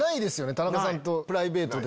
田中さんとプライベートで。